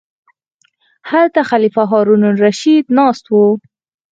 هلته خلیفه هارون الرشید ناست و.